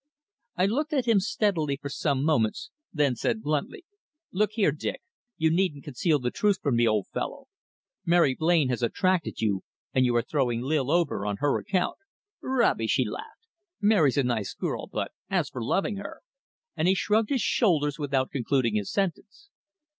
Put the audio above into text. I looked at him steadily for some moments, then said bluntly "Look here, Dick, you needn't conceal the truth from me, old fellow. Mary Blain has attracted you, and you are throwing Lil over on her account." "Rubbish!" he laughed. "Mary's a nice girl, but as for loving her " and he shrugged his shoulders without concluding his sentence.